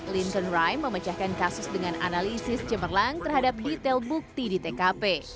linton rime memecahkan kasus dengan analisis cemerlang terhadap detail bukti di tkp